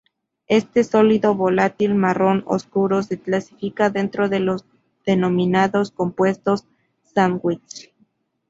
Este sólido volátil, marrón oscuro, se clasifica dentro de los denominados compuestos sándwich.